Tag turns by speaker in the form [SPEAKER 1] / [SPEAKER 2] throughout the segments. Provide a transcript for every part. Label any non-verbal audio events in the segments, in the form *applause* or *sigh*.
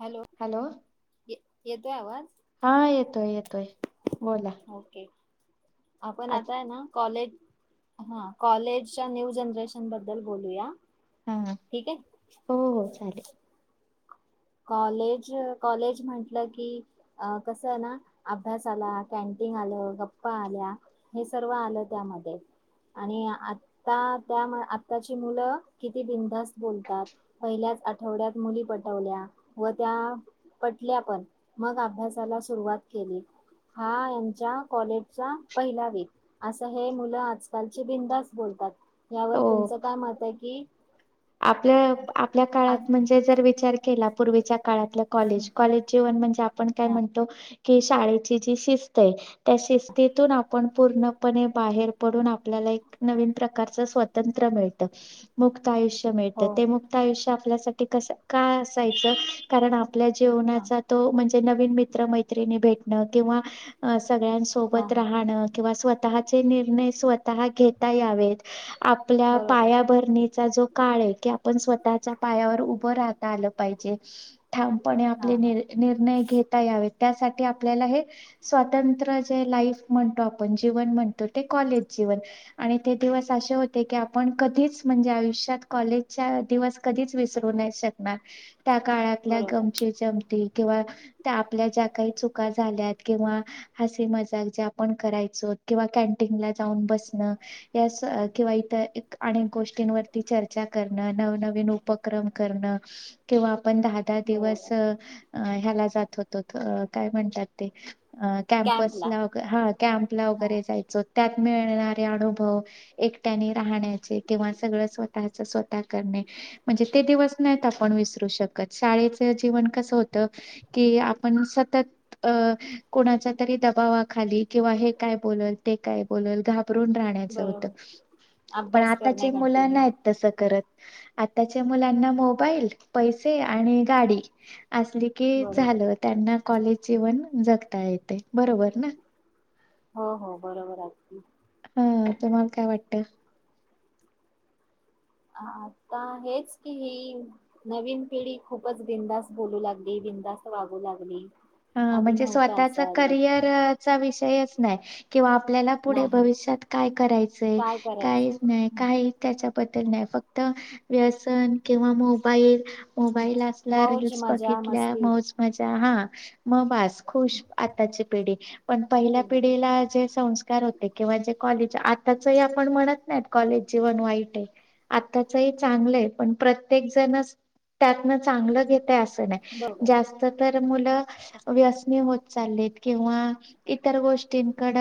[SPEAKER 1] Hello येतो आवाज
[SPEAKER 2] हा अ येतोय येतोय बोला.
[SPEAKER 1] हम् ओके आपण
[SPEAKER 2] आज
[SPEAKER 1] आता आहे ना कॉलेजज हा कॉलेजच्या न्यु जनरेशन बद्दल बोलूया
[SPEAKER 2] हा
[SPEAKER 1] ठीक आहे
[SPEAKER 2] हो हो चालेल
[SPEAKER 1] कॉलेज कॉलेज म्हटलं की अ कस आहे ना अभ्यासाला कन त्यांनी आलं गप्पा आल्या हे सर्व आलं त्यामध्ये आणि आता त्या आताची मुलं किती बिनधास्त बोलतात पहिल्या आठवड्यात मुली पटवल्या व त्या पटल्या पण मग अभ्यासाला सुरुवात केली हा यांच्या कॉलेजचा पहिला विक असं हे मुलं आजकालची बिनधास्त बोलतात यावर
[SPEAKER 2] हो
[SPEAKER 1] तुमचं काय मत आहे कि
[SPEAKER 2] आपल्या आपल्या काळात म्हणजे जर विचार केला तर पूर्वीच्या काळात कॉलेज कॉलेज जेवण म्हणजे आपण काय
[SPEAKER 1] हा,
[SPEAKER 2] म्हणतो कि शाळेची जी शिस्त त्या शिस्तीतून आपण पूर्णपणे बाहेर पडून आपल्याला एक नवीन प्रकारचे स्वातंत्र मिळत मुक्त आयुष्य मिळत
[SPEAKER 1] हो
[SPEAKER 2] ते
[SPEAKER 1] हो.
[SPEAKER 2] मोठा आयुष्य आपल्यासाठी का असायचं कारण, आपल्या
[SPEAKER 1] हा
[SPEAKER 2] जेवनाचा तो म्हणजे नवीन मित्र मैत्रिणी भेटणं किंवा
[SPEAKER 1] हा
[SPEAKER 2] सगळ्यांसोबत
[SPEAKER 1] हा
[SPEAKER 2] राहण कि स्वतः निर्णय, घेता यावेत आपल्या
[SPEAKER 1] बरोबर
[SPEAKER 2] पायाभरणीचा जो, काळ आहे की आपण स्वतःच्या पायावर उभं राहता आलं पाहिजे. ठामपणे
[SPEAKER 1] हा
[SPEAKER 2] आपले
[SPEAKER 1] हा
[SPEAKER 2] नि निर्णय घेता यावेत. त्यासाठी आपल्याला हे स्वतंत्र, जे लाईफ म्हणतो आपण जीवन म्हणतो ते कॉलेज, ते दिवस असे होते की आपण कधीच म्हणजे आयुष्यात, कॉलेजच्या दिवस कधीच विसरू नाही. शकणार त्या काळातल्या
[SPEAKER 1] बरोबर
[SPEAKER 2] गमची जमती किंवा त्या आपल्या ज्या काही चुका झाल्यात किंवा हसी मजाक ज्या आपण करायचो. किंवा कॅन्टीनला जाऊन बसण, किंवा अनेक गोष्टींवय चर्चा करणं नवनवीन उपक्रम करणं, किंवा आपण दहा दहा दिवस
[SPEAKER 1] बरोबर
[SPEAKER 2] ह्याला जात होतो, काय म्हणतात ते अ कॅम्पस
[SPEAKER 1] कॅम्पला
[SPEAKER 2] लागर हा कॅम्प ला
[SPEAKER 1] हा
[SPEAKER 2] वगैरे जायचं. त्यात मिळणारे, अनुभव एकट्याने
[SPEAKER 1] हा
[SPEAKER 2] राहण्याचे किंवा सगळ स्व स् स्वतः करणे म्हणजे ते दिवस नाहीत. आपण विसरू शकत शाळेच जीवन कस हो आपण सतत कोणाच्या तरी दबावाखाली किंवा का, हे काय बोलल ते काय बोलल घाबरून राहण्याच होत
[SPEAKER 1] बरोबर
[SPEAKER 2] पण
[SPEAKER 1] अभ्यास
[SPEAKER 2] आता ज
[SPEAKER 1] करणे
[SPEAKER 2] मुला
[SPEAKER 1] कंटिन्यू
[SPEAKER 2] नाही. असं करत आताच्या मुलांना मोबाईल पैसे आणि गाडी, असली की
[SPEAKER 1] बरोबर
[SPEAKER 2] झालं त्यांना कॉलेज जीवण जगता येते बरोबर ना,
[SPEAKER 1] हो हो बरोबर आहेदी,
[SPEAKER 2] हा तुम्हाला काय वाटत?
[SPEAKER 1] आता हेच की ही नवीन पिढी खूपच बिंदास बोलू लागली. बिनधास्त वागू लागली,
[SPEAKER 2] हा
[SPEAKER 1] आधी
[SPEAKER 2] म्हणजे
[SPEAKER 1] नव्हता
[SPEAKER 2] स्वतःचा
[SPEAKER 1] असा अ
[SPEAKER 2] करिअरचा विषयच नाही. किंवा आपल्याला पुढे
[SPEAKER 1] नाही
[SPEAKER 2] भविष्यात काय करायचंय काय
[SPEAKER 1] करायचं
[SPEAKER 2] नाही,
[SPEAKER 1] हं.
[SPEAKER 2] काही त्याच्याबद्दल नाही फक्त तर व्यसन, किंवा मोबाईल मोबाईल असला
[SPEAKER 1] मौज
[SPEAKER 2] रीलस
[SPEAKER 1] मजा
[SPEAKER 2] बघितल्या
[SPEAKER 1] मस्ती
[SPEAKER 2] मौज मजा हा मग बास, खुश आताची पिढी पण पहिल्या पिढीला ज संस्कार होते, किंवा जे कॉलेज आताच आपण म्हणत नाही कॉलेज जीवन वाईट आहे. आताचही चांगलंय पण प्रत्येक जण त्यातन चांगलं घेत. ते असं नाय
[SPEAKER 1] बरोबर
[SPEAKER 2] जास्त तर मुलं व्यसनी होत. चाललेत किंवा इतर गोष्टींकड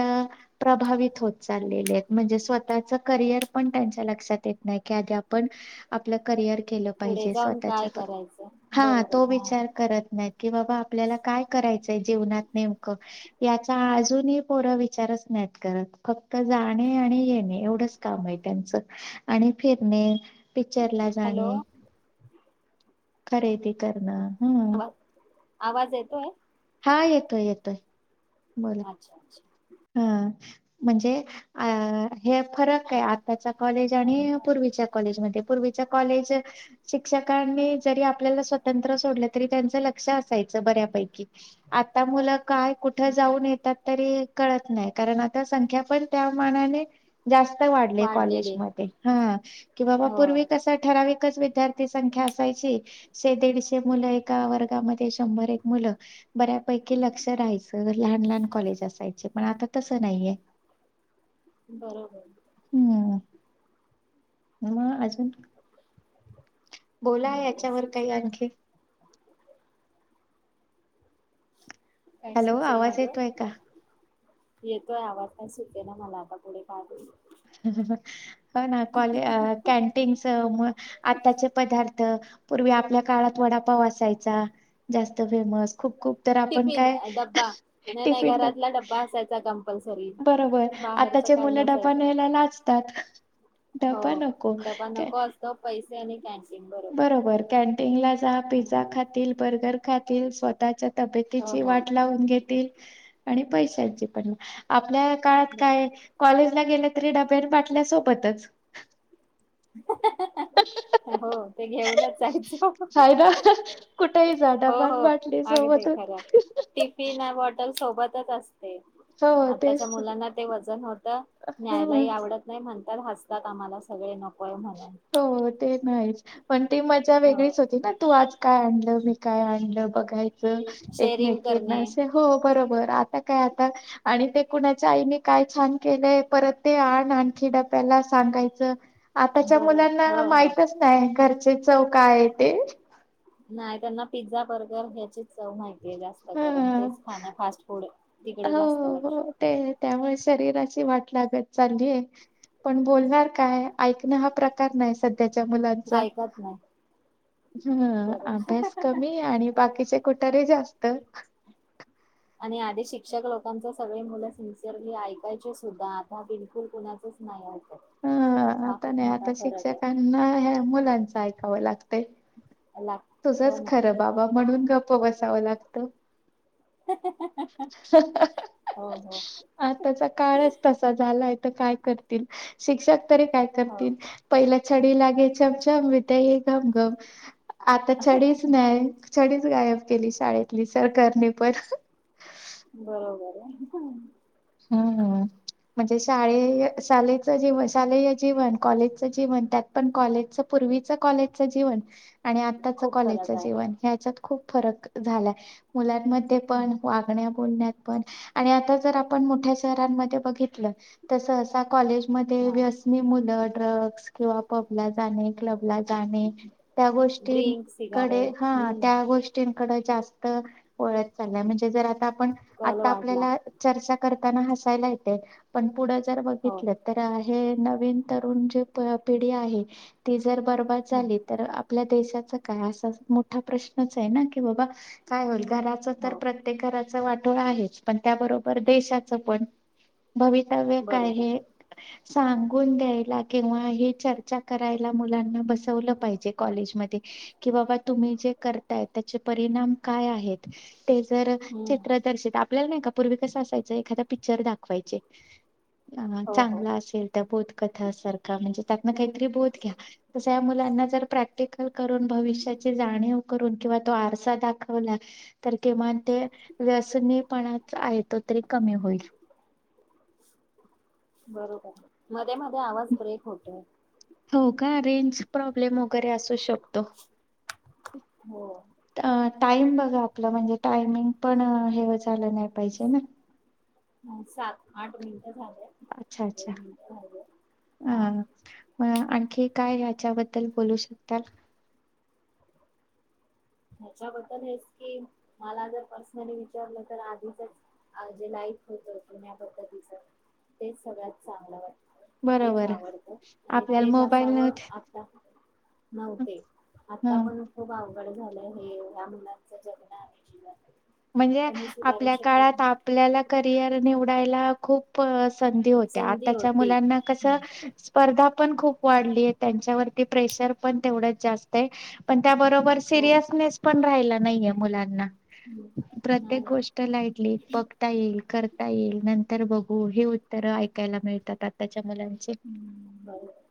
[SPEAKER 2] प्रभावित होत चाल, चाललेल्यात म्हणजे स्वतः चे करिअर पण त्यांच्या लक्षात येत नाही की आधी आपल करियर, केल
[SPEAKER 1] पुढे
[SPEAKER 2] पाहिजे
[SPEAKER 1] जाऊन
[SPEAKER 2] स्वतः चे
[SPEAKER 1] काय करायचं
[SPEAKER 2] हा
[SPEAKER 1] बरोबर
[SPEAKER 2] तो विचार करत कीनाहीत बाबा आपल्याला, काय करायच, जीवनात नेमकं याचा अजूनही पोरं विचारत नाहीत कारण फक्त, जाणे आणि येणे एवढंच काम आहे. त्यांचं आणि फिरणे, पिक्चर ला
[SPEAKER 1] हॅलो
[SPEAKER 2] जाणे. खरेदी करणं, हम्म
[SPEAKER 1] आवाज आवाज येतोय?
[SPEAKER 2] हा येतोय येतोय, बोला
[SPEAKER 1] अच्छा अच्छा,
[SPEAKER 2] हा म्हणजे अ हे फरक आहे, आताचा कॉलेज आणि
[SPEAKER 1] अच्छा
[SPEAKER 2] पूर्वीच्या कॉलेजमध्ये पूर्वी, चे कॉलेज शिक्षकांनी जरी आपल्याला स्वतंत्र सोडले तरी त्यांचे लक्ष असायचं. बऱ्यापैकी आता मुलं, काय कुठ जाऊन येतात, तरी कळत नाही, कारण आता संख्या पण त्या मानाने, जास्त वाढले कॉलेज
[SPEAKER 1] वाढलेले
[SPEAKER 2] मध्ये कि बाबा
[SPEAKER 1] हो.
[SPEAKER 2] पूर्वी कसा ठराव. विद्यार्थी संख्या असायची शे दीडशे मुलं एका वर्गामध्ये शंभर एक मुलं, बऱ्यापैकी लक्ष राहायचं लहान लहान कॉलेज असायचे. पण आता तसं नाहीये.
[SPEAKER 1] बरोबर
[SPEAKER 2] म अजून बोला
[SPEAKER 1] मला
[SPEAKER 2] याच्यावर काही
[SPEAKER 1] सुचेल
[SPEAKER 2] आणखी
[SPEAKER 1] काय
[SPEAKER 2] हॅलो,
[SPEAKER 1] सुचे ना
[SPEAKER 2] आवाज
[SPEAKER 1] ग
[SPEAKER 2] येतोय का?
[SPEAKER 1] येतोय आवाज काय सुचेना मला आता पुढे काय
[SPEAKER 2] हो ना कॉले कॅनटीनं चं म आताचे पदार्थ पूर्वी आपल्या काळात वडापाव असायचा जास्त फेमस खूप खूप तर आपण
[SPEAKER 1] टिफिन
[SPEAKER 2] काय
[SPEAKER 1] अ डब्बा नाही नाही
[SPEAKER 2] टिफिन
[SPEAKER 1] घरातला डब्बा असायचा कंपल्सरी
[SPEAKER 2] बरोबर
[SPEAKER 1] बाहेरच
[SPEAKER 2] आताचे
[SPEAKER 1] काय
[SPEAKER 2] मुल डबा
[SPEAKER 1] नसायचं
[SPEAKER 2] न्यायला लाजतात. डब्बा नको. ते
[SPEAKER 1] त्याने कॅन
[SPEAKER 2] बरोबर कॅन्टींगला जा पिझ्झा खातील बर्गर खातील स्वतःच्या
[SPEAKER 1] हो
[SPEAKER 2] तब्यची
[SPEAKER 1] हो
[SPEAKER 2] वाट लावून घेतील आणि पैशांची पण आपल्या काळात
[SPEAKER 1] बर.
[SPEAKER 2] काय कॉलेजला गेल तरी डब्यान बाटल्या सोबतच
[SPEAKER 1] *inaudible* हो ते घेऊनच जायचो
[SPEAKER 2] हाय ना कुठेही जा
[SPEAKER 1] हो
[SPEAKER 2] डबा अन
[SPEAKER 1] हो
[SPEAKER 2] बाटली
[SPEAKER 1] अगदी
[SPEAKER 2] सोबतच
[SPEAKER 1] खर टिफिना बॉटल सोबत तच असते.
[SPEAKER 2] हो
[SPEAKER 1] आताच्या
[SPEAKER 2] तेच
[SPEAKER 1] मुलांना ते वजन होत
[SPEAKER 2] हा
[SPEAKER 1] न्यायलाही आवडत नाही म्हण तर हसतात आम्हाला सगळे न
[SPEAKER 2] हो ते नाहीच पण ती मज्जा
[SPEAKER 1] हो.
[SPEAKER 2] वेगळीच होती ना तू आज काय आणलं मी काय आणलं बघायचं
[SPEAKER 1] शेअरिंग
[SPEAKER 2] एकमेकींना
[SPEAKER 1] करणे
[SPEAKER 2] असे हो बरोबर आता काय आता आणि ते कुणाच्या आईने काय छान केलंय परत ते आण आणखी डब्याला ला सांगायचं. आताच्या
[SPEAKER 1] बरं हो
[SPEAKER 2] मुलांना
[SPEAKER 1] हो.
[SPEAKER 2] माहितच नाय घरचे चव काय ये ते.
[SPEAKER 1] नाय त्यांना पिझ्झा बर्गर ह्याचीचं चव माहिती आहे जास्त करून
[SPEAKER 2] हं.
[SPEAKER 1] तेच खाणे फास्ट फूड तिकडे
[SPEAKER 2] हो
[SPEAKER 1] जास्त
[SPEAKER 2] हो
[SPEAKER 1] लक्ष
[SPEAKER 2] हो ते त्यामुळे शरीरा ची वाट लागत चालेय पण बोलणार काय ऐकण ना हा प्रकार नाय सध् त्याच्या
[SPEAKER 1] आहे
[SPEAKER 2] मुलांचा
[SPEAKER 1] ऐकत नाही.
[SPEAKER 2] हं
[SPEAKER 1] बरोबर
[SPEAKER 2] अभ्यास कमी आणि बाकीचे कुटारे जास्त
[SPEAKER 1] आणि आधी शिक्षक लोकांच सगळे मुलं सिन्सिअरली ऐकायचे सुद्धा आता बिलकुल कुणाचच नाही ऐक
[SPEAKER 2] हा आता नाय आता शिक्षकांना हया मुलांच ऐकावं लाग तय.
[SPEAKER 1] आहे लाग हो
[SPEAKER 2] तुझच
[SPEAKER 1] ना
[SPEAKER 2] खरं बाबा म्हणून गप्प बसावं लागत.
[SPEAKER 1] हो हो
[SPEAKER 2] आताचा काळच तसा झालाय. त काय करतील शिक्षक तरी काय
[SPEAKER 1] हो.
[SPEAKER 2] करतील पहिल छडी लागे गे छम छम विद्या येई घम घम आता छडीच नाय छडी गायब केली शाळेतली सरकारनी पण
[SPEAKER 1] बरोबर ये.
[SPEAKER 2] हूं हूं म्हणजे शाळे शालेच जीवन शालेय जीवन कॉलेज चं जीवन त्यात पण कॉलेज पूर्वीच कॉलेजचं जीवन आणि आताच
[SPEAKER 1] खूप फरक
[SPEAKER 2] कॉलेजच जीवन ह्याच्यात खूप फरक झालाय. मुलांमध्ये
[SPEAKER 1] आहे.
[SPEAKER 2] पण वागण्या बोलण्यात पण आणि आता जर आप ण मोठ्या शहरांमध्ये बघितलं तर सहसा कॉलेज मध्ये
[SPEAKER 1] हा
[SPEAKER 2] व्यसनी मुलं ड्रॅग्स किंवा पब ला जाणे. क्लब ला जाणे. त्या
[SPEAKER 1] ड्रिंक
[SPEAKER 2] गोष्टींकडे
[SPEAKER 1] सिगारेट
[SPEAKER 2] हा
[SPEAKER 1] हम्म
[SPEAKER 2] त्या गोष्टींकड जास् त वळत चाललाय म्हणजे जरा पण
[SPEAKER 1] कल
[SPEAKER 2] आता
[SPEAKER 1] वाढला
[SPEAKER 2] आपल्याला चर्चा करताना हसायला येतय पण पुढ जर
[SPEAKER 1] हो
[SPEAKER 2] बघितलं तर हे नवीन तरुण जे प पिढी आहे ती जर बर्बाद
[SPEAKER 1] हम्म
[SPEAKER 2] झाली तर आप पल्या देशाचा काय असा मोठा प्रश्नच आहे ना? की बाबा काय होईल? घराच तर
[SPEAKER 1] हो
[SPEAKER 2] प्रत्येक घराच वाठोळ आहेच पण त्याबरोबर देशाच पण भवितव्य काय
[SPEAKER 1] बरोबर
[SPEAKER 2] हे सांगून द्यायला किंवा हे चर्चा करायला मुलांना बसवलं पाहिजे कॉलेजमध्ये कि बाबा तुम्ही जे करताय त्याचे परिणाम काय आहेत. ते जर
[SPEAKER 1] हम्म
[SPEAKER 2] चित्र दर्शित आपल्याला नाही का पूर्वी कस असायच एखादा पिक्चर दाखवायचे
[SPEAKER 1] हो हो
[SPEAKER 2] चांगला असेल तर म्हणजे त्यातून कायतर बोध घ्या, तस ह्या मुलांना प्रॅक्टिकल करुन भविष्यात जाणीव करून किंवा तो आरसा दाखवला तर किमान ते व्यसनीपणा आहे तो तरी कमी होईल.
[SPEAKER 1] बरोबर मध्ये मध्ये आवाज ब्रेक होतोय.
[SPEAKER 2] हो का रेंज प्राब्लेम वगैरे असू शकतो.
[SPEAKER 1] हो
[SPEAKER 2] टाईम बघा आपलं. म्हणजे टायमिंग पण हे झालं नाही पाहिजे ना.
[SPEAKER 1] हा सात आठ मी
[SPEAKER 2] अच्छा अच्छा अ
[SPEAKER 1] हा
[SPEAKER 2] मग आणखी काय हच्याबद्दल बोलू शकतात.
[SPEAKER 1] हच्याबदल हेच कि मला जर पर्सनली विचारलं तर आधीचच जे लाईफ होत जुन्या पद्धतीच तेच सगळ्यात चांगलं वाटत. तेच
[SPEAKER 2] बरोबर
[SPEAKER 1] आवडतं आणि
[SPEAKER 2] आपल्याला
[SPEAKER 1] तेच
[SPEAKER 2] मोबाईल
[SPEAKER 1] असावं
[SPEAKER 2] नव्हते
[SPEAKER 1] आता. नव्हते
[SPEAKER 2] ह
[SPEAKER 1] आता पण खूप आवघड झालंय हे या मुलांच जगन आणि जीवन.
[SPEAKER 2] म्हणजे
[SPEAKER 1] पण हे सुधारू
[SPEAKER 2] आपल्या काळात
[SPEAKER 1] शकतात
[SPEAKER 2] आपल्याला करिअर निवडायला खूप संधी होत्या
[SPEAKER 1] संधी
[SPEAKER 2] आताच्या
[SPEAKER 1] होती.
[SPEAKER 2] मुलांना कस
[SPEAKER 1] हम्म.
[SPEAKER 2] स्पर्धा पण खूप वाढली आहे त्यांच्यावरती प्रेशर पण तेवढच जास्त आहे. पण त्या बरोबर
[SPEAKER 1] हो
[SPEAKER 2] सिरियसनेस पण राहिला नाहीये मुलांना. प्रत्येक
[SPEAKER 1] नाही
[SPEAKER 2] गोष्ट लाईटली बघता येईल. कर येईल नंतर बघू. हे उत्तर ऐकायला मिळतात आता. मुलांचे
[SPEAKER 1] बरोबर.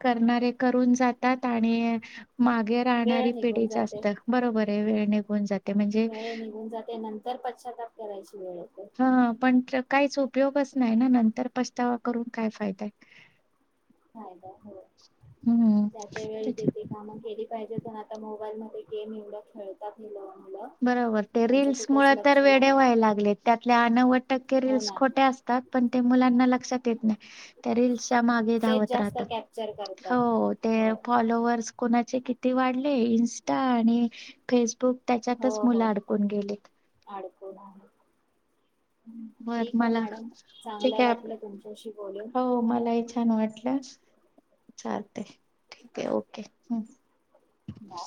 [SPEAKER 2] करणारे करून जातात. आणि मागे
[SPEAKER 1] वेळ
[SPEAKER 2] राहणारी
[SPEAKER 1] निघून
[SPEAKER 2] पिढी
[SPEAKER 1] जाते.
[SPEAKER 2] जास्त बरोबर आहे वेळ निघून जाते. म्हणजे
[SPEAKER 1] वेळ निघून जाते नंतर पश्चाताप करायची वेळ येते.
[SPEAKER 2] हा पण काहीच उपयोगच नाही ना. नंतर पछतावा करून काय फायदा आहे.
[SPEAKER 1] फायदा हो
[SPEAKER 2] हम्म
[SPEAKER 1] त्या त्या वेळी ते
[SPEAKER 2] त्याच्या-
[SPEAKER 1] ते कामं केली पाहिजेत. पण आता मोबाईल मध्ये गेम एवढ्या खेळतात हे मुलं.
[SPEAKER 2] बरोबर ते
[SPEAKER 1] त्यांचं
[SPEAKER 2] रीलस
[SPEAKER 1] कुठेच
[SPEAKER 2] मुळे तर
[SPEAKER 1] लक्ष
[SPEAKER 2] वेडे
[SPEAKER 1] लागत
[SPEAKER 2] व्हायला
[SPEAKER 1] नाही
[SPEAKER 2] लागले. त्यातल्या नव्वद टक्के
[SPEAKER 1] हो
[SPEAKER 2] रीलल्स
[SPEAKER 1] ना
[SPEAKER 2] खोटे असतात. पण ते मुलांना लक्षात येत नाही, त्या रील्स च्या मागे
[SPEAKER 1] तेच
[SPEAKER 2] धावत
[SPEAKER 1] जास्त
[SPEAKER 2] राहतात.
[SPEAKER 1] कॅप्चर करतात.
[SPEAKER 2] हो ते
[SPEAKER 1] हो
[SPEAKER 2] फॉलोवर्स कोणाचे किती वाढले. इंस्टा आणि फेसबुक त्यातच
[SPEAKER 1] हो
[SPEAKER 2] मुलं
[SPEAKER 1] हो
[SPEAKER 2] अडकून गेलेत.
[SPEAKER 1] अडकून आहे.
[SPEAKER 2] बर
[SPEAKER 1] ठीक आहे
[SPEAKER 2] मला
[SPEAKER 1] मॅडम
[SPEAKER 2] ठीक
[SPEAKER 1] चांगलं
[SPEAKER 2] आहे आपण
[SPEAKER 1] वाटलं तुमच्याशी बोलून
[SPEAKER 2] हो मलाही छान छान वाटलं चालतय. ठीक आहे ओके.
[SPEAKER 1] बाय